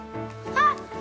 あっ！